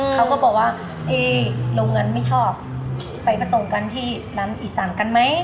เขาก็บอกว่าโรงงานไม่ชอบไปผสมกันที่ร้านอีสานกันไหม